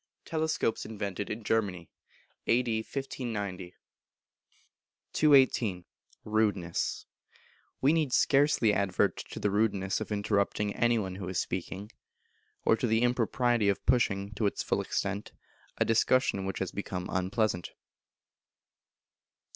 [TELESCOPES INVENTED IN GERMANY A.D. 1590.] 218. Rudeness. We need scarcely advert to the rudeness of interrupting any one who is speaking, or to the impropriety of pushing, to its full extent, a discussion which has become unpleasant.